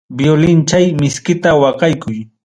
Violinchay miskita waqaykuy.